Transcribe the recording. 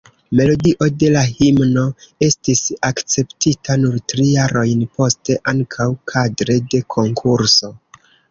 Melodio de la himno estis akceptita nur tri jarojn poste, ankaŭ kadre de konkurso.